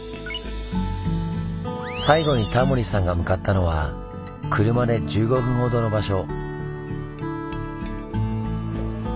最後にタモリさんが向かったのは車で１５分ほどの場所。